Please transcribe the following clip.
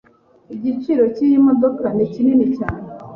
Igiciro cyiyi modoka ni kinini cyane.